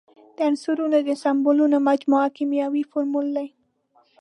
د عنصرونو د سمبولونو مجموعه کیمیاوي فورمول دی.